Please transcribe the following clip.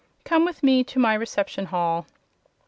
Come with me to my reception hall."